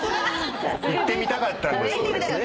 言ってみたかったんです。